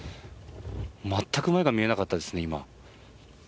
全く前が見えなかったですね、今。